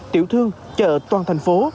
tiểu thương chợ toàn thành phố